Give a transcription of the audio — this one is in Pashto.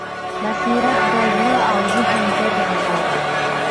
بصیرت د زړه او ذهن ګډه ژبه ده.